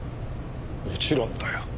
もちろんだよ。